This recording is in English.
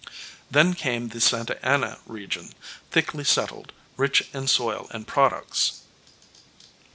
Then came the Santa Ana region, thickly settled, rich in soil and products.